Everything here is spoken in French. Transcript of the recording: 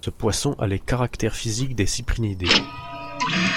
Ce poisson a les caractères physiques des cyprinidés.